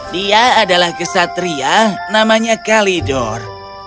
dia adalah kesatria namanya kalidor